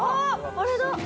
あれだ。